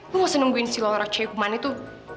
lu masa nungguin si laura cewek hukuman itu